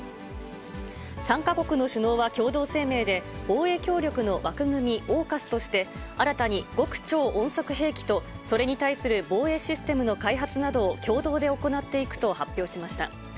３か国の首脳は共同声明で、防衛協力の枠組み、オーカスとして、新たに極超音速兵器と、それに対する防衛システムの開発などを共同で行っていくと発表しました。